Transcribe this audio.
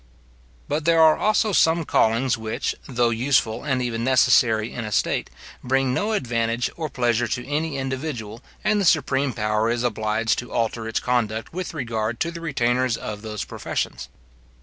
"But there are also some callings which, though useful and even necessary in a state, bring no advantage or pleasure to any individual; and the supreme power is obliged to alter its conduct with regard to the retainers of those professions.